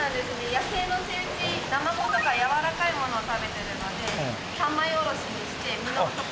野生のセイウチナマコとかやわらかいものを食べてるので三枚おろしにして身のところをあげてます。